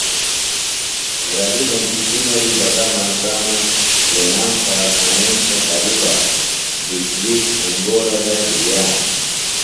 غری مجیۡ چِمری بٹہ ہنسانہ لنام کارخانیم تھےۡ ہریۡ بہ بِجلی انگورہ دےۡ بِلیانہ۔